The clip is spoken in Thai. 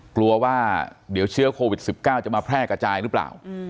กลัวว่าเดี๋ยวเชื้อโควิด๑๙จะมาแพร่กระจายหรือเปล่า